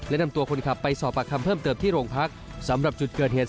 และนำตัวคนขับไปสอบปากคำเพิ่มเติมที่โรงพักสำหรับจุดเกิดเหตุ